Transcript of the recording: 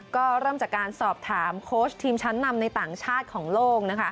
ก็เริ่มจากการสอบถามโค้ชทีมชั้นนำในต่างชาติของโลก